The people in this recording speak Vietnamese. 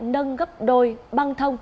nâng gấp đôi băng thông